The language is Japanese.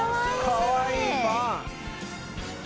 かわいいパン！